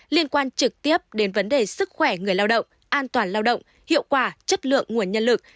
liên quan trực tiếp đến vấn đề sức khỏe người lao động an toàn lao động hiệu quả chất lượng nguồn nhân lực